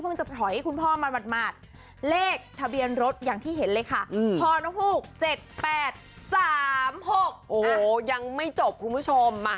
๓๖โอ้โหยังไม่จบคุณผู้ชม